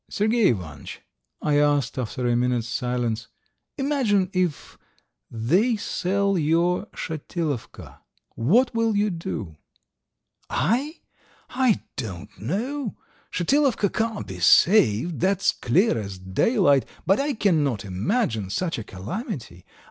"Sergey Ivanitch," I asked, after a minute's silence, "imagine if they sell your Shatilovka, what will you do?" "I? I don't know! Shatilovka can't be saved, that's clear as daylight, but I cannot imagine such a calamity.